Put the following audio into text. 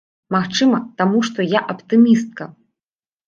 Магчыма, таму што я аптымістка.